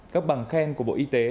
các bằng khen của bộ y tế